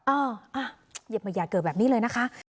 อ้าวเย็บมัยยาเกิดแบบนี้เลยนะคะ